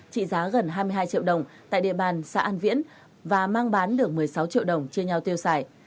trị giá gần hai mươi hai triệu đồng tại địa bàn xã an viễn và mang bán được một mươi sáu triệu đồng chia nhau tiêu xài